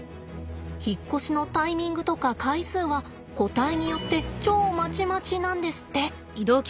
引っ越しのタイミングとか回数は個体によって超まちまちなんですって。